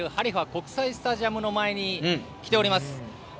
国際スタジアムの前に来ております。